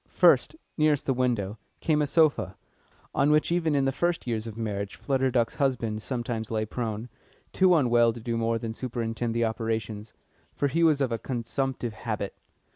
First nearest the window came a sofa, on which even in the first years of marriage Flutter Duck's husband sometimes lay prone, too unwell to do more than superintend the operations, for he was of a consumptive habit.